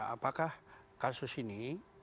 apakah kasus ini